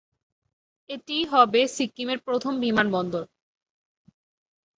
এটিই হবে সিকিমের প্রথম বিমানবন্দর।